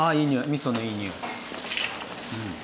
みそのいい匂い。